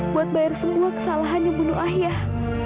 buat bayar semua kesalahan yang bunuh ayah